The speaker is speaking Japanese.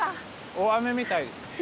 大雨みたいですね。